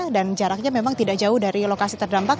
dan jaraknya memang tidak jauh dari lokasi terdampak